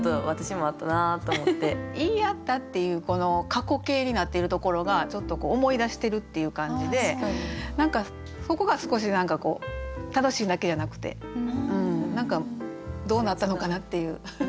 「言いあった」っていうこの過去形になっているところがちょっと思い出してるっていう感じで何かそこが少し楽しいだけじゃなくてどうなったのかなっていう。